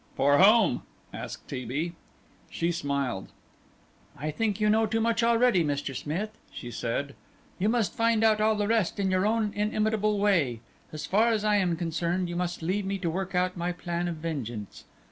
"For whom?" asked T. B. She smiled. "I think you know too much already, Mr. Smith," she said; "you must find out all the rest in your own inimitable way; so far as I am concerned, you must leave me to work out my plan of vengeance.